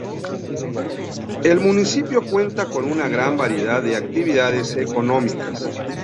El municipio cuenta con una gran variedad de actividades económicas.